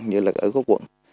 như là ở các quận